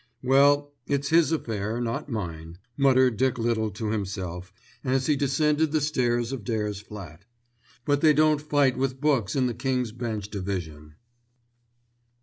"Well, it's his affair, not mine," muttered Dick Little to himself as he descended the stairs of Dare's flat; "but they don't fight with books in the King's Bench Division."